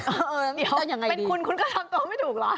เออเป็นคุณคุณก็ทำตัวไม่ถูกเหรอ